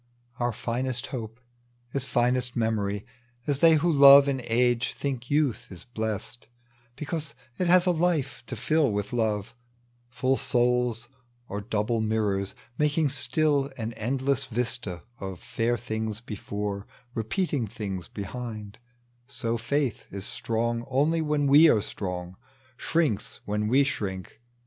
Our finest hope is finest memory, .tec bv Google A MIISOE PROPHET. 18£ As they who love in age think youth ia blest Eecaase it has a life to flU with love Fnll souls are double mirrors, maldng still An endless vista of fair things before Repeating thinga behind : so faith is strong Only when we sire strong, sbrinlis when we shrink.